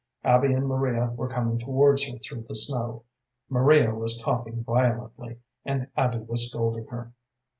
Abby and Maria were coming towards her through the snow. Maria was coughing violently, and Abby was scolding her.